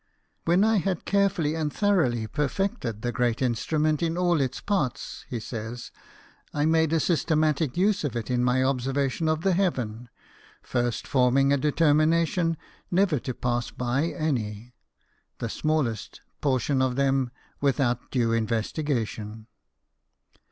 " When I had carefully and thoroughly perfected the great instrument in all its parts," he says, " I made a systematic use of WILLIAM HERSCHEL, BANDSMAN. 107 it i i my observation of the heaven, first forming a determination never to pass by any, the smallest, portion of them without due investi gation.